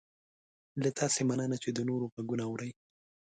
له تاسې مننه چې د نورو غږونه اورئ